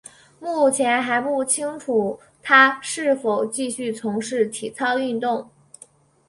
目前还不清楚她是否会继续从事体操运动。